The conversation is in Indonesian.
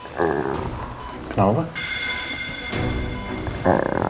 somewhat ihr untuk satucare